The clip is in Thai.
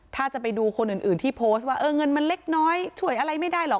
ถ้าจะไปดูคนอื่นที่โพสต์ว่าเงินมันเล็กน้อยช่วยอะไรไม่ได้หรอก